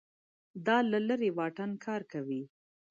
دا له لرې واټن کار کوي